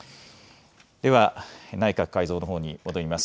では内閣改造のほうに戻ります。